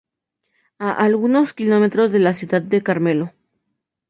A algunos kilómetros de la ciudad de Carmelo.